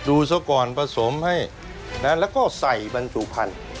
อุตสกรณ์ผสมให้แล้วก็ใส่บรรจุพันธุ์